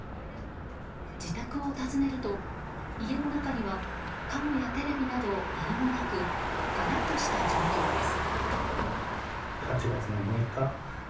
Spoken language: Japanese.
自宅を訪ねると家の中には家具やテレビなど何もなく、がらんとした状況です。